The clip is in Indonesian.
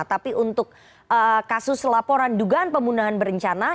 tapi untuk kasus laporan dugaan pembunuhan berencana